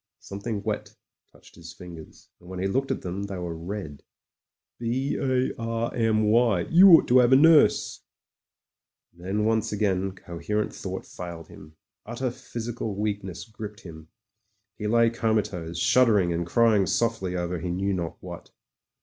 Something wet touched his fin gers, and when he looked at them, they were red. "B A R M Y. You ought to 'ave a nurse. ..." Then once again coherent thought failed him — utter physical weakness gripped him — ^he lay coma tose, shuddering, and crying softly over he knew not what.